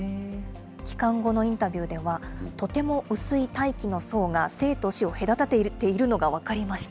帰還後のインタビューでは、とても薄い大気の層が生と死を隔てているのが分かりました。